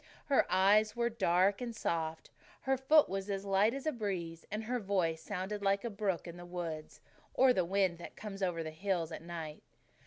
Her eyes were dark and soft, her foot was as light as a breeze, and her voice sounded like a brook in the woods, or the wind that comes over the hills at night.